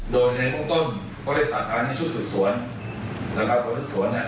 นอกจากว่าเวลาเติมเติมแผน๑๐วัน